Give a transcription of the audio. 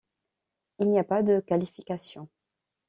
Il n'y a pas de qualifications.